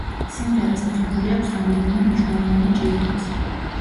სიმღერას მიღებული აქვს რამდენიმე მნიშვნელოვანი ჯილდოც.